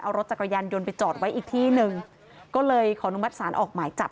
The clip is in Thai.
เอารถจักรยานยนต์ไปจอดไว้อีกที่หนึ่งก็เลยขออนุมัติศาลออกหมายจับ